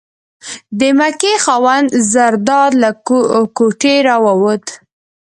د مکۍ خاوند زرداد له کوټې راووت.